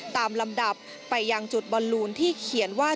ลำดับไปยังจุดบอลลูนที่เขียนว่า